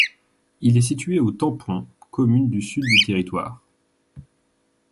Il est situé au Tampon, commune du sud du territoire.